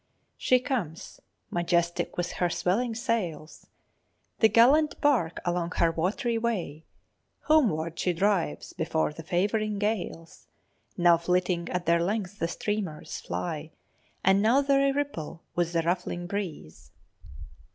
She comes, majestic with her swelling sails, The gallant bark along her watery way, Homeward she drives before the favouring gales. Now flitting at their length the streamers fly, _And now they ripple with the ruffling breeze.